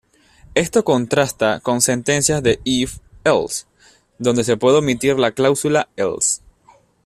Esto contrasta con sentencias de if..else, donde se puede omitir la cláusula else.